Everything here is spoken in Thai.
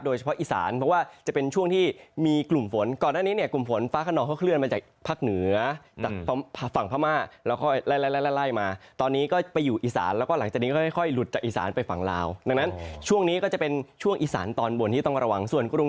ก็สำหรับพื้นที่ตอนบนแล้วกันพละกเหนือภาคอีสาน